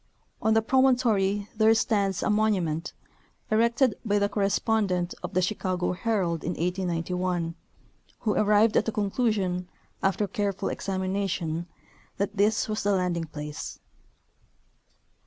On the promontory there stands a monument, erected by the correspondent of the Chicago Herald in 1891, who arrived at the conclusion, after careful examination, that this was the landing place.